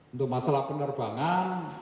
untuk masalah penerbangan